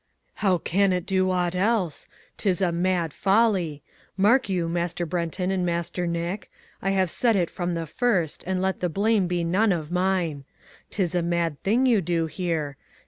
"How can it do aught else? 'Tis a mad folly. Mark you, Master Brenton and Master Nick, I have said it from the first and let the blame be none of mine. 'Tis a mad thing you do here.